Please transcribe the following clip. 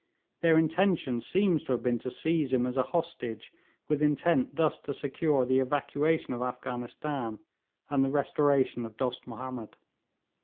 Their intention seems to have been to seize him as a hostage, with intent thus to secure the evacuation of Afghanistan and the restoration of Dost Mahomed.